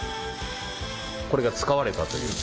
これが使われたという。